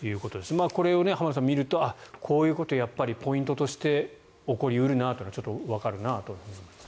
これを浜田さん、見るとこういうことがポイントとして起こり得るなというのはちょっとわかるなと思います。